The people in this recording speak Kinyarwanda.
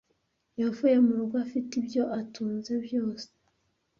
Yavuye mu rugo afite ibyo atunze byose.